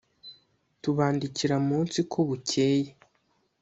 tubandikira munsi ko bukeye